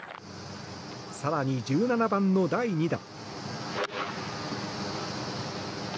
更に、１７番の第２打。